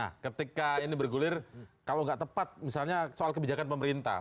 nah ketika ini bergulir kalau nggak tepat misalnya soal kebijakan pemerintah